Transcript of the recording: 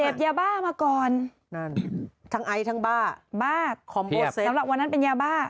ยาบ้ามาก่อนนั่นทั้งไอทั้งบ้าบ้าคอมโบเซฟสำหรับวันนั้นเป็นยาบ้า